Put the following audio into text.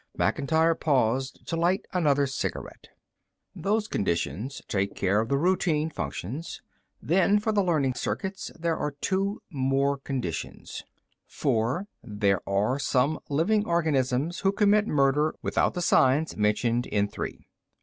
Macintyre paused to light another cigarette. "Those conditions take care of the routine functions. Then, for the learning circuits, there are two more conditions. Four, there are some living organisms who commit murder without the signs mentioned in three.